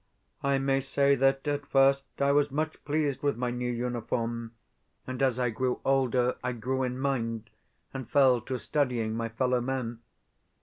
I may say that at first I was much pleased with my new uniform; and, as I grew older, I grew in mind, and fell to studying my fellow men.